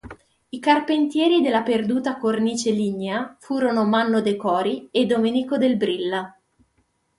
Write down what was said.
I carpentieri della perduta cornice lignea furono Manno de' Cori e Domenico del Brilla.